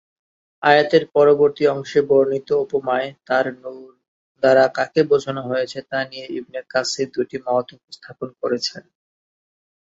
আয়াতের পরবর্তী অংশে বর্ণিত উপমায় "তাঁর নুর" দ্বারা কাকে বুঝানো হয়েছে তা নিয়ে ইবনে কাসির দুটি মত উপস্থাপন করেছেন।